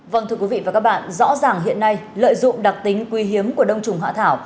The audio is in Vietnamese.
vâng thưa quý vị và các bạn rõ ràng hiện nay lợi dụng đặc tính quy hiếm của đông trùng hạn thả